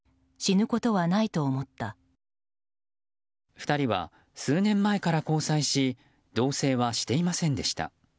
２人は数年前から交際し同棲はしていませんでした。